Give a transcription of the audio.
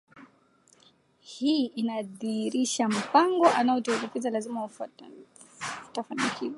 hii inadhihirisha mpango anaoutekeleza lazima utafanikiwa